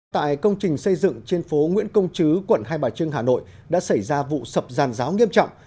tại công trình xây dựng trên phố nguyễn công chứ quận hai bà trưng hà nội đã xảy ra vụ sập giàn giáo nghiêm trọng